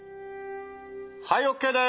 はいＯＫです！